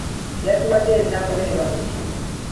Yatuwadde ebinaagobererwa mu lukiiko.